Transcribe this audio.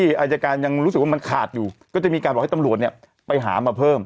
อายการยังรู้สึกว่ามันขาดอยู่ก็จะมีการบอกให้ตำรวจเนี่ยไปหามาเพิ่ม